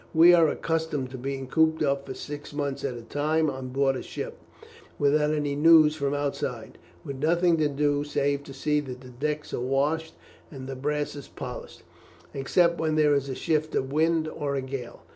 We are accustomed to be cooped up for six months at a time on board a ship, without any news from outside; with nothing to do save to see that the decks are washed, and the brasses polished, except when there is a shift of wind or a gale.